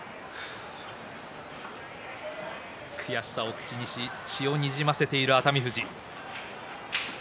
悔しさを口にし血をにじませている熱海富士。